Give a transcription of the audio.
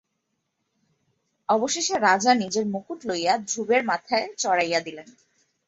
অবশেষে রাজা নিজের মুকুট লইয়া ধ্রুবের মাথায় চড়াইয়া দিলেন।